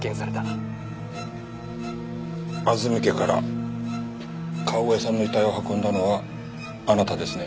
安積家から川越さんの遺体を運んだのはあなたですね？